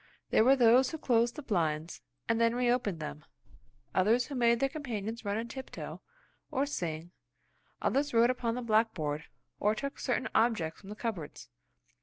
There were those who closed the blinds, and then reopened them; others who made their companions run on tiptoe, or sing; others wrote upon the blackboard, or took certain objects from the cupboards.